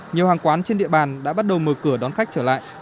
nhiều hàng quán trên địa bàn đã bắt đầu mở cửa đón khách trở lại